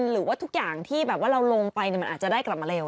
หรือว่าทุกอย่างที่แบบว่าเราลงไปมันอาจจะได้กลับมาเร็ว